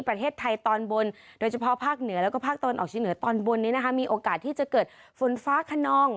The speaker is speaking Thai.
ประเทศไทยตอนบนโดยเฉพาะภาคเหนือแล้วก็ภาคตะวันออกชิงเหนือตอนบนนี้นะคะมีโอกาสที่จะเกิดฝนฟ้าขนอง